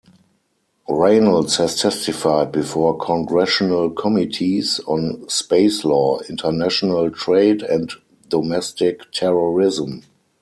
Reynolds has testified before Congressional committees on space law, international trade, and domestic terrorism.